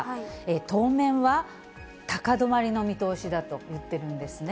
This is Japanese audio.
当面は、高止まりの見通しだと言っているんですね。